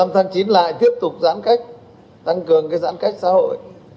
một mươi năm tháng chín lại tiếp tục giãn cách tăng cường cái giãn cách xã hội